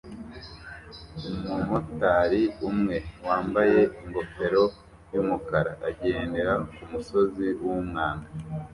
Umumotari umwe wambaye ingofero yumukara agendera kumusozi wumwanda